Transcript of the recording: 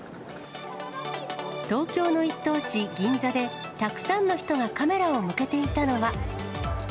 東京の一等地、銀座で、たくさんの人がカメラを向けていたのは。